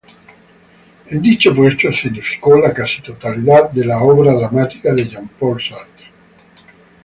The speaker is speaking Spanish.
En dicho puesto escenificó la casi totalidad de la obra dramática de Jean-Paul Sartre.